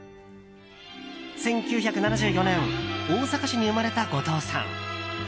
１９７４年、大阪市に生まれた後藤さん。